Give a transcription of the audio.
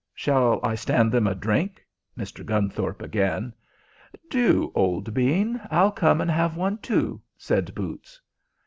"Shall I stand them a drink?" Mr. Gunthorpe again. "Do, old bean. I'll come and have one, too," said boots.